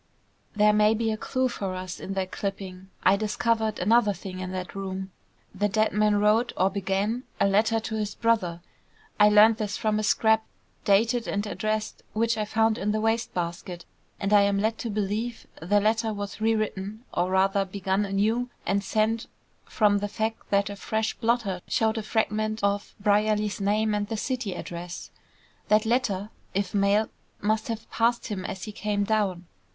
"There may be a clue for us in that clipping. I discovered another thing in that room. The dead man wrote, or began, a letter to his brother. I learned this from a scrap, dated and addressed, which I found in the waste basket, and I am led to believe the letter was re written, or rather begun anew, and sent, from the fact that a fresh blotter showed a fragment of Brierly's name, and the city address. That letter, if mailed, must have passed him as he came down.